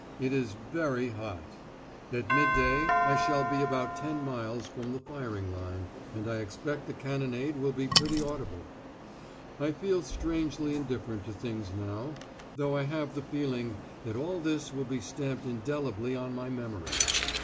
It is very hot. At midday I shall be about ten miles from the firing line, and I expect the cannonade will be pretty audible. I feel strangely indifferent to things now, though I have the feeling that all this will be stamped indelibly on my memory."